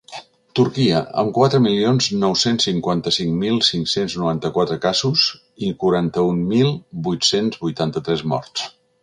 Turquia, amb quatre milions nou-cents cinquanta-cinc mil cinc-cents noranta-quatre casos i quaranta-un mil vuit-cents vuitanta-tres morts.